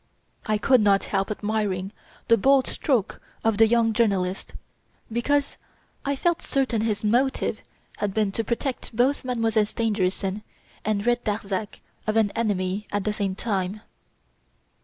I could not help admiring the bold stroke of the young journalist, because I felt certain his motive had been to protect both Mademoiselle Stangerson and rid Darzac of an enemy at the same time.